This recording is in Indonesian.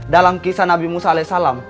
dalam kisah nabi musa alaih salam